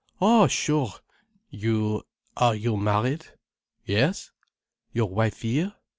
"Oh sure—! You—are you married?" "Yes." "Your wife here?"